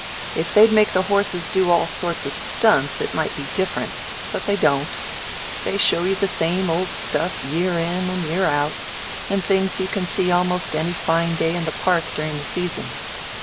If they'd make the horses do all sorts of stunts, it might be different, but they don't. They show you the same old stuff year in and year out, and things that you can see almost any fine day in the Park during the season.